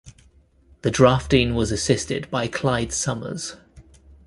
The drafting was assisted by Clyde Summers.